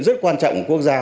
rất quan trọng của quốc gia